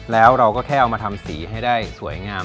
แล้วเราก็แค่เอามาทำสีให้ได้สวยงาม